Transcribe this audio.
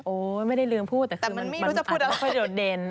โอ้ไม่ได้ลืมพูดแต่คือมันอาจจะค่อยโดดเด่น